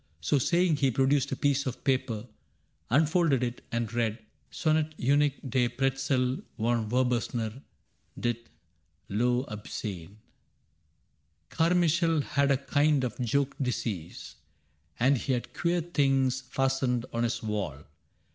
* So saying, he produced a piece of paper, Unfolded it, and read, ' Sonnet Unique De Pretzel von Wurzburger, dit L'Ob SCENE :—' Carmichael had a kind of joke disease^ And he had queer things fastened on his wall.